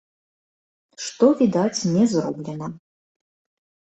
Што, відаць, не зроблена.